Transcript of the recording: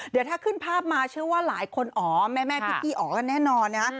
เดี๋ยวถ้าขึ้นภาพมาเชื่อว่าหลายคนอ๋อแม่พี่อ๋อกันแน่นอนนะฮะ